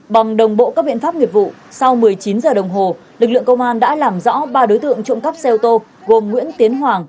bằng đồng bộ các biện pháp nghiệp vụ sau một mươi chín giờ đồng hồ lực lượng công an đã làm rõ ba đối tượng trộm cắp xe ô tô gồm nguyễn tiến hoàng